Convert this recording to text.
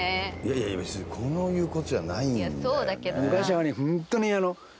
いやいや別にこういう事じゃないんだよね。